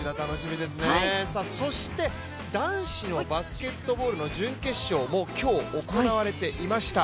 そして、男子のバスケットボールの準決勝も今日、行われていました。